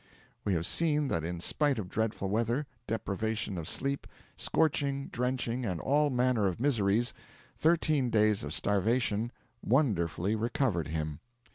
We have seen that in spite of dreadful weather, deprivation of sleep, scorching, drenching, and all manner of miseries, thirteen days of starvation 'wonderfully recovered' him.